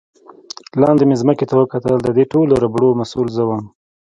لاندې مې ځمکې ته وکتل، د دې ټولو ربړو مسؤل زه ووم.